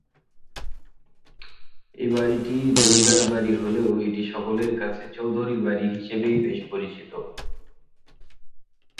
এই বাড়িটি জমিদার বাড়ি হলেও এটি সকলের কাছে চৌধুরী বাড়ি হিসেবেই বেশ পরিচিত।